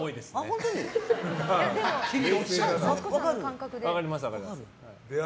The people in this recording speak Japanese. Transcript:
本当に？